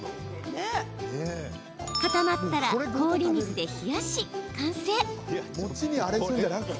固まったら氷水で冷やし、完成。